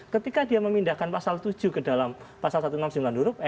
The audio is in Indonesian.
ketika dia memindahkan pasal tujuh ke dalam pasal satu ratus enam puluh sembilan huruf e